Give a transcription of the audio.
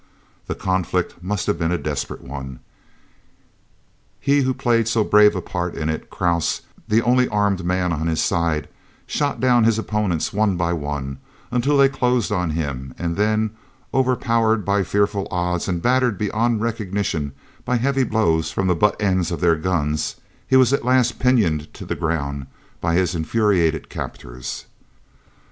The conflict must have been a desperate one! He who played so brave a part in it, Krause, the only armed man on his side, shot down his opponents one by one, until they closed on him, and then, overpowered by the fearful odds and battered beyond recognition by heavy blows from the butt ends of their guns, he was at last pinioned to the ground by his infuriated captors.